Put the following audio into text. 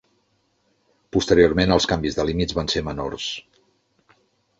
Posteriorment els canvis de límits van ser menors.